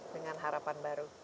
dengan harapan baru